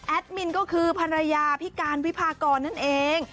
มินก็คือภรรยาพี่การวิพากรนั่นเอง